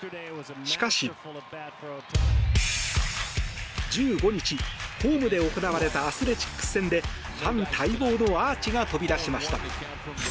しかし１５日、ホームで行われたアスレチックス戦でファン待望のアーチが飛び出しました。